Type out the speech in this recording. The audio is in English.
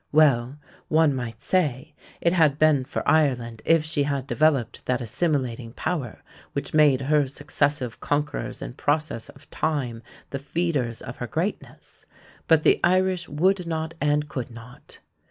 Well, one might say, it had been for Ireland if she had developed that assimilating power which made her successive conquerors in process of time the feeders of her greatness, but the Irish would not and could not.